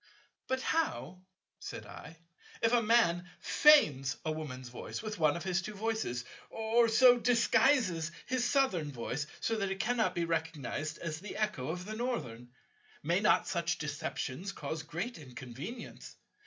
"But how," said I, "if a Man feigns a Woman's voice with one of his two voices, or so disguises his Southern voice that it cannot be recognized as the echo of the Northern? May not such deceptions cause great inconvenience?